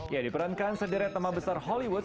ya diperankan sederet tema besar hollywood